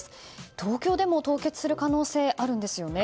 東京でも凍結する恐れがあるんですよね。